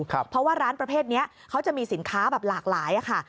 เพราะว่าร้านประเภทนี้เขาจะมีสินค้าแบบหลากหลายค่ะ